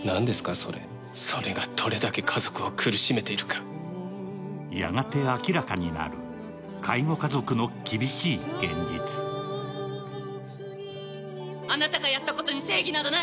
それそれがどれだけ家族を苦しめているかやがて明らかになる介護家族の厳しい現実あなたがやったことに正義などない！